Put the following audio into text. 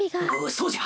そうじゃ！